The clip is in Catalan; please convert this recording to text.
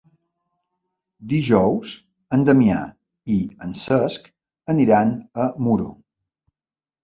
Dijous en Damià i en Cesc aniran a Muro.